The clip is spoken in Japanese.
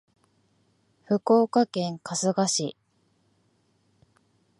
福岡県春日市